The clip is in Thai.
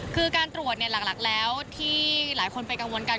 คือการตรวจหลักแล้วที่หลายคนไปกังวลกัน